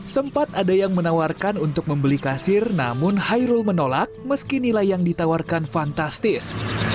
sempat ada yang menawarkan untuk membeli kasir namun hairul menolak meski nilai yang ditawarkan fantastis